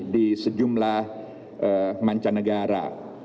di sejumlah mancanegara